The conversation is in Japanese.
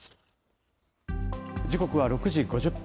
時刻は６時５０分。